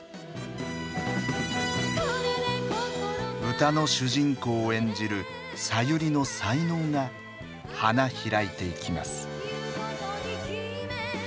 歌の主人公を演じるさゆりの才能が花開いていきます。